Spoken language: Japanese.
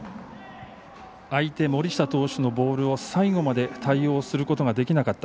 相手、森下投手のボールに最後まで対応することができなかった。